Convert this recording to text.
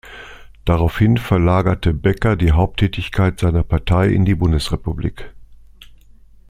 Daraufhin verlagerte Becker die Haupttätigkeit seiner Partei in die Bundesrepublik.